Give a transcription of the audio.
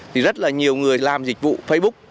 thì rất là nhiều người làm dịch vụ facebook